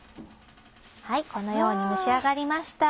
このように蒸し上がりました。